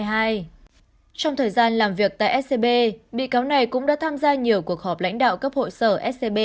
trong thời gian làm việc tại scb bị cáo này cũng đã tham gia nhiều cuộc họp lãnh đạo cấp hội sở scb